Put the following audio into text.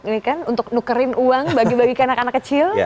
ini kan untuk nukerin uang bagi bagi ke anak anak kecil